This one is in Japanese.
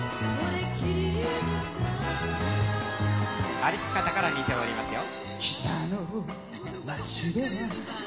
歩き方から似ておりますよ。